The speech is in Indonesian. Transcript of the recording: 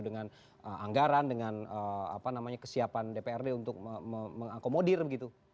dengan anggaran dengan kesiapan dprd untuk mengakomodir begitu